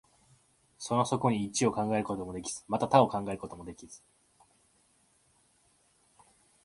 その底に一を考えることもできず、また多を考えることもできず、